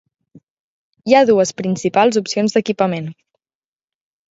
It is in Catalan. Hi ha dues principals opcions d'equipament.